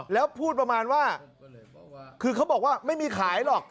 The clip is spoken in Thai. แล้วพูดประมาณว่าคือเขาบอกว่าไม่มีขายหรอก